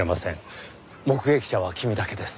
目撃者は君だけです。